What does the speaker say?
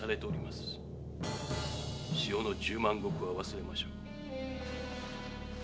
塩の十万石は忘れましょう。